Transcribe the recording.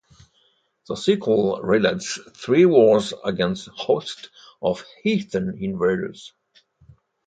The cycle relates three wars against hosts of heathen invaders.